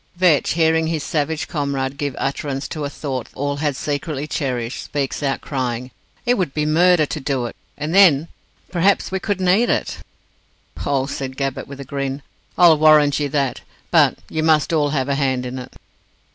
Vetch, hearing his savage comrade give utterance to a thought all had secretly cherished, speaks out, crying, "It would be murder to do it, and then, perhaps we couldn't eat it." "Oh," said Gabbett, with a grin, "I'll warrant you that, but you must all have a hand in it."